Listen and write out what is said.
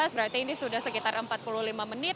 berarti ini sudah sekitar empat puluh lima menit